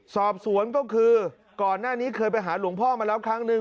สอบสวนก็คือก่อนหน้านี้เคยไปหาหลวงพ่อมาแล้วครั้งนึง